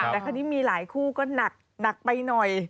มาที่ที่มีหลายคู่ก็หนักไปหน่อย